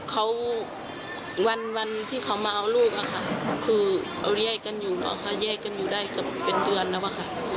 เขาวันที่เขามาเอาลูกอะค่ะคือเขาแยกกันอยู่เนอะเขาแยกกันอยู่ได้เกือบเป็นเดือนแล้วอะค่ะ